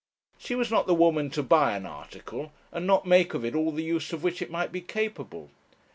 She was not the woman to buy an article, and not make of it all the use of which it might be capable.